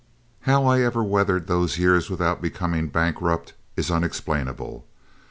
How I ever weathered those years without becoming bankrupt is unexplainable.